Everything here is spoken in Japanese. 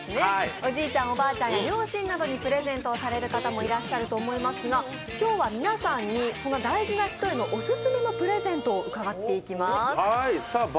おじいちゃん、おばあちゃんや両親などにプレゼントされる方も多いと思いますが今日は皆さんにその大事な人へのオススメのプレゼントを伺っていきます。